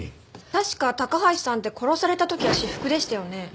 確か高橋さんって殺された時は私服でしたよね。